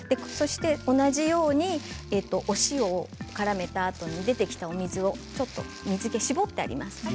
そして同じようにお塩をからめたあとに出てきたお水をちょっと水けを絞ってあります。